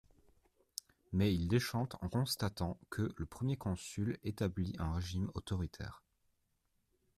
Mais il déchante en constatant que le Premier consul établit un régime autoritaire.